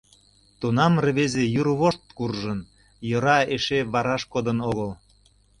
Тунам рвезе йӱр вошт куржын, йӧра эше вараш кодын огыл.